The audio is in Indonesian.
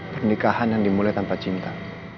pernikahan yang dimulai tanpa cinta